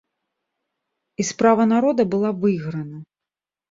І справа народа была выйграна.